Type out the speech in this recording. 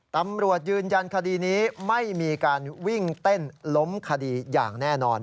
ตำรวจยืนยันคดีนี้ไม่มีการวิ่งเต้นล้มคดีอย่างแน่นอน